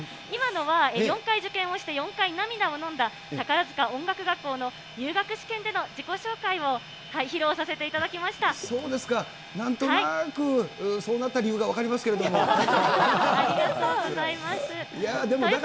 今のは４回受験をして、４回涙をのんだ、宝塚音楽学校の入学試験での自己紹介を披露させそうですか、なんとなく、そうなった理由が分かりますけれども。